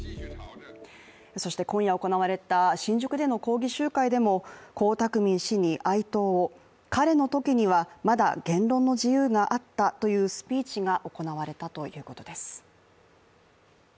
そして、今夜、行われた新宿でも抗議集会でも江沢民氏に哀悼を、彼のときにはまだ言論の自由があったというスピーチが行われたということです。